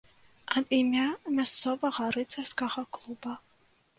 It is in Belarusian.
Ад імя мясцовага рыцарскага клуба.